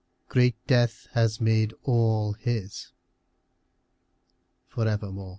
Great death has made all his for evermore.